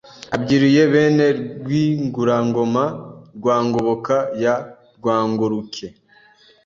abyiruye b ene Rwigurangoma rwa Ngoboka ya Rwangoruke